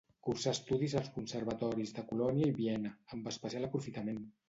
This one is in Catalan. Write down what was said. Cursà estudis als conservatoris de Colònia i Viena, amb especial aprofitament.